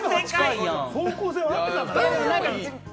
方向性は合ってたんだね。